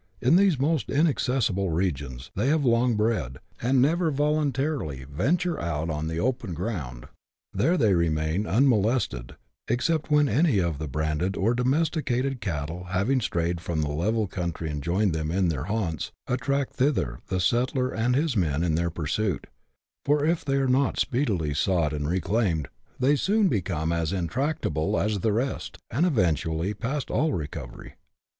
In these almost inaccessible regions they have long bred, and never voluntarily venture out on the open ground. There they remain unmolested, except when any of the branded or domesticated cattle, having strayed from the level country and joined them in their haunts, attract thither the settler and his men in their pursuit ; for, if they are not speedily sought and reclaimed, they soon become as intractable as the rest, and eventually past all recovery.